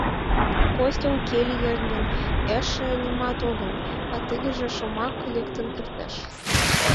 Костя уке лиеш гын, эше нимат огыл, а тыгеже шомак лектын кертеш.